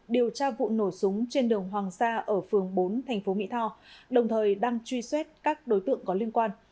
điều tra vụ nổ súng trên đường hoàng sa ở phường bốn thành phố mỹ tho đồng thời đang truy xuất các đối tượng có liên quan